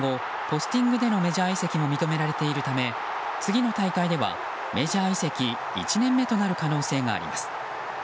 ３年後ポスティングでのメジャー移籍も認められているため次の大会では、メジャー移籍１年目となる可能性があります。